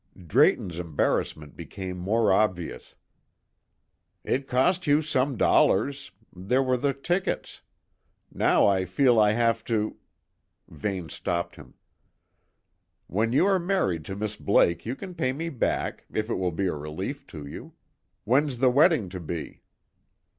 Drayton's embarrassment became more obvious. "It cost you some dollars; there were the tickets. Now I feel I have to " Vane stopped him. "When you are married to Miss Blake you can pay me back, if it will be a relief to you. When's the wedding to be?"